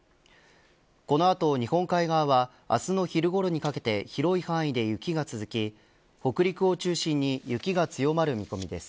この後日本海側は明日の昼ごろにかけて広い範囲で雪が続き北陸を中心に雪が強まる見込みです。